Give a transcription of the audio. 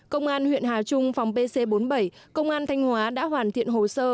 công an huyện hà trung phòng pc bốn mươi bảy công an thanh hóa đã hoàn thiện hồ sơ